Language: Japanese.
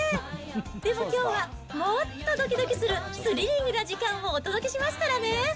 でもきょうはもっとどきどきするスリリングな時間をお届けしますからね。